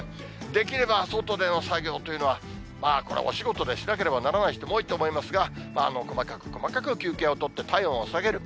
できれば外での作業というのは、まあこれ、お仕事でしなければならない人も多いと思いますが、細かく細かく休憩を取って、体温を下げる。